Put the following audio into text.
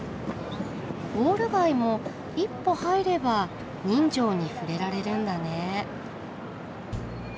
ウォール街も一歩入れば人情に触れられるんだね。